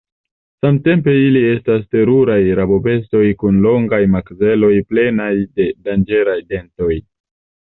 Samtempe ili estas teruraj rabobestoj kun longaj makzeloj plenaj de danĝeraj dentoj.